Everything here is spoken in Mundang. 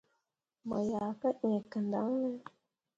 Mo yah gah ẽe kǝndaŋne ?